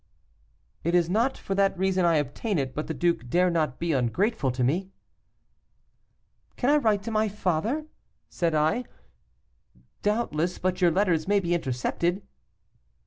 'It is not for, that reason I obtain it, but the duke dare not be ungrateful to me.' "'Can I write to my father?' said I. 'Doubtless; but your letters may be intercepted.